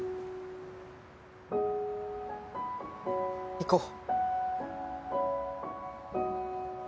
行こう。